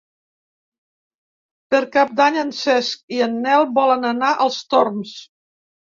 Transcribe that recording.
Per Cap d'Any en Cesc i en Nel volen anar als Torms.